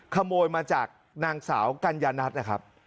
ขโมยมาจากนางสาวกัญญานัทนะครับ